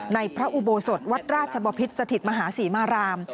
พระอุโบสถวัดราชบพิษสถิตมหาศรีมาราม